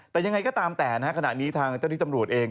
แต่ยังไงก็ตามแต่นะฮะขณะนี้ทางเจ้าที่ตำรวจเอง